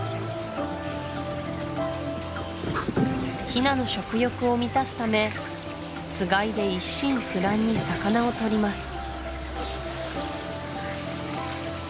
ヒナの食欲を満たすためつがいで一心不乱に魚をとります